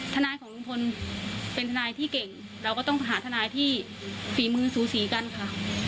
ทนายของลุงพลเป็นทนายที่เก่งเราก็ต้องหาทนายที่ฝีมือสูสีกันค่ะ